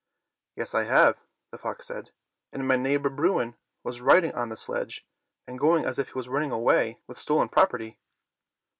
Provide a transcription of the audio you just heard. " Yes, I have," the fox said, " and my neigh bor Bruin was riding on the sledge and going as if he was running away with stolen prop erty."